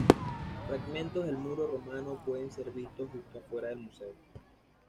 Fragmentos del muro romano pueden ser vistos justo afuera del museo.